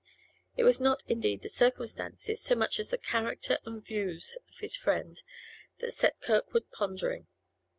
It was not, indeed, the circumstances, so much as the character and views, of his friend that set Kirkwood pondering.